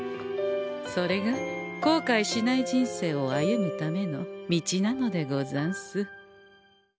それがこうかいしない人生を歩むための道なのでござんす。